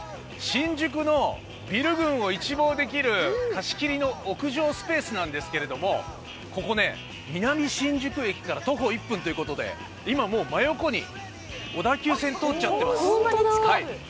新宿のビル群を一望できる貸し切りの屋上スペースなんですけれども、ここね、南新宿駅から徒歩１分ということで今もう真横に小田急線、通っちゃってます。